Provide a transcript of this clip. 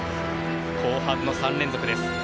後半の３連続です。